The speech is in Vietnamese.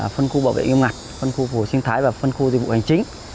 phân khu bảo vệ nghiêm ngặt phân khu phù hợp sinh thái và phân khu dịch vụ hành chính